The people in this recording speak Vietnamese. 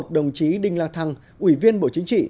đồng chí đinh la thăng ủy viên bộ chính trị